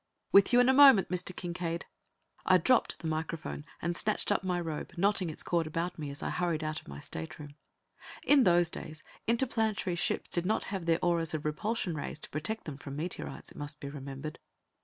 "With you in a moment, Mr. Kincaide!" I dropped the microphone and snatched up my robe, knotting its cord about me as I hurried out of my stateroom. In those days, interplanetary ships did not have their auras of repulsion rays to protect them from meteorites, it must be remembered.